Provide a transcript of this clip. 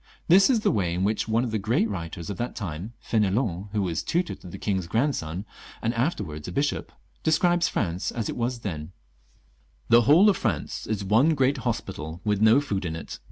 This is the way in which one of the great writers of that time — ^F^n^lon, who was tutor to the king's grand son, and afterwards a bishop — describes France as it was then :—" The whole of France is one great hospital, with no food in it.